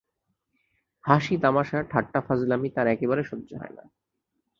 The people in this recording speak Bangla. হাসি-তামাশা, ঠাট্টা-ফাজলামি তাঁর একেবারে সহ্য হয় না।